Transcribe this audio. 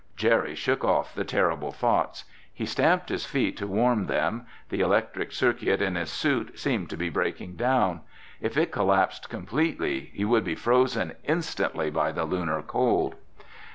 Jerry shook off the terrible thoughts. He stamped his feet to warm them. The electric circuit in his suit seemed to be breaking down. If it collapsed completely, he would be frozen instantly by the Lunar cold.